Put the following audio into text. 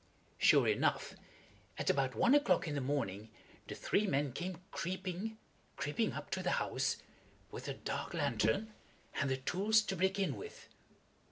Sure enough, at about one o'clock in the morning the three men came creeping, creeping up to the house with a dark lantern, and the tools to break in with.